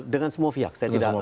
dengan semua pihak